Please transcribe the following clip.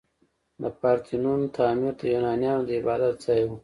د پارتینون تعمیر د یونانیانو د عبادت ځای و.